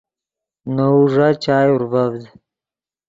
نے وؤ ݱا چائے اورڤڤد